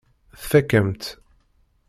Tfakk-am-tt.